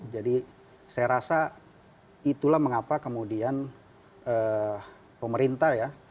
jadi saya rasa itulah mengapa kemudian pemerintah ya